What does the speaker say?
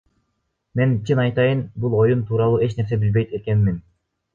Мен, чын айтайын, бул оюн тууралуу эч нерсе билбейт экенмин.